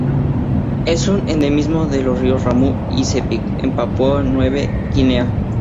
Es un endemismo de los ríos Ramu y Sepik en Papúa Nueva Guinea.